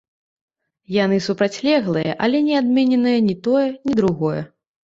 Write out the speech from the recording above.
Яны супрацьлеглыя, але не адмененае не тое, ні другое.